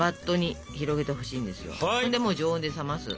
でもう常温で冷ます。